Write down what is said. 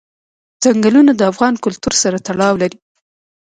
ځنګلونه د افغان کلتور سره تړاو لري.